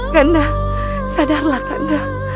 kanda sadarlah kanda